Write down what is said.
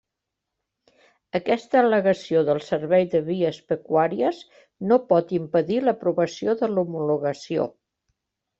Aquesta al·legació del Servei de Vies Pecuàries no pot impedir l'aprovació de l'homologació.